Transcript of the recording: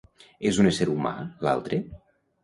És un ésser humà, l'altre?